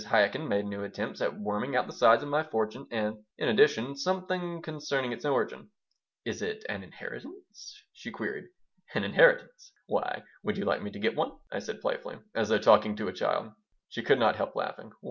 Chaikin made new attempts at worming out the size of my fortune and, in addition, something concerning its origin "Is it an inheritance?" she queried. "An inheritance? Why, would you like me to get one?" I said, playfully, as though talking to a child She could not help laughing.